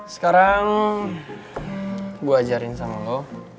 sekarang gue ajarin sama lo